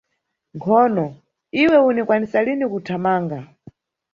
Nkhono, iwe unikwanisa lini kuthamanga.